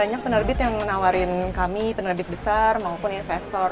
banyak penerbit yang menawarkan kami penerbit besar maupun investor